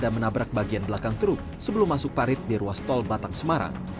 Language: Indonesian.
dan menabrak bagian belakang truk sebelum masuk parit di ruas tol batang semarang